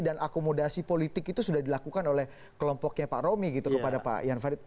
dan akomodasi politik itu sudah dilakukan oleh kelompoknya pak romi gitu kepada pak jan farid